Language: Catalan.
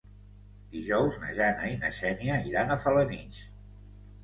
Dijous na Jana i na Xènia iran a Felanitx.